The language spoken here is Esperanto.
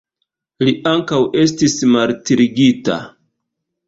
Li ankaŭ estis martirigita.